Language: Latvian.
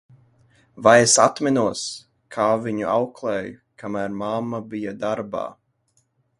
Vai es atminos, kā viņu auklēju, kamēr mamma bija darbā.